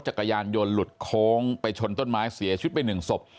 จักรยานยนต์หลุดโค้งไปชนต้นไม้เสียชีวิตไปหนึ่งศพ